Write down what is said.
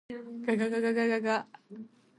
ががががががが。